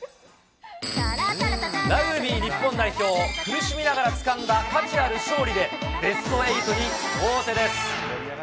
ラグビー日本代表、苦しみながらつかんだ価値ある勝利でベスト８に王手です。